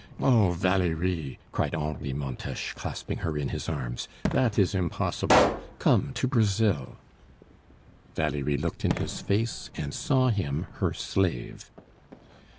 "Oh! Valerie," cried Henri Montes, clasping her in his arms, "that is impossible! Come to Brazil!" Valerie looked in his face, and saw him her slave.